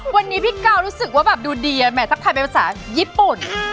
วันนี้พี่ก้าวรู้สึกว่าดูดีถ้าถ่ายไปภาษาญี่ปุ่น